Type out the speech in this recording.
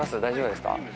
大丈夫ですか？